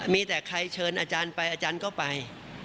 มีแต่ใครเชิญอาจารย์ไปอาจารย์ก็ไป